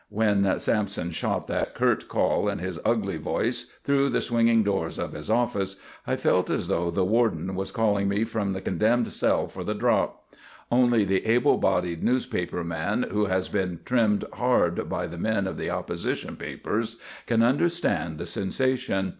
When Sampson shot that curt call in his ugly voice through the swinging doors of his office I felt as though the warden was calling me from the condemned cell for the drop. Only the able bodied newspaper man who has been trimmed hard by the men of the opposition papers can understand the sensation.